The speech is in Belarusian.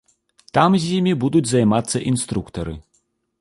Там з імі будуць займацца інструктары.